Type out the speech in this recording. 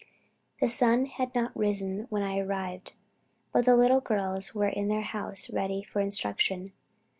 The sun had not risen when I arrived, but the little girls were in the house ready for instruction.